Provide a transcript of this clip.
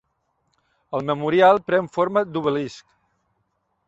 El memorial pren forma d'obelisc.